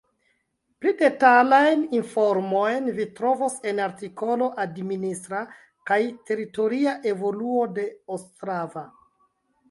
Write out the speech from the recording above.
Pli detalajn informojn vi trovos en artikolo Administra kaj teritoria evoluo de Ostrava.